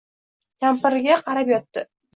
Kampiriga qarab yotdi.